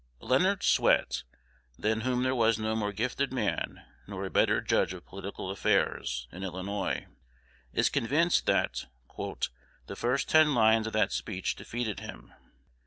Leonard Swett, than whom there was no more gifted man, nor a better judge of political affairs, in Illinois, is convinced that "the first ten lines of that speech defeated him."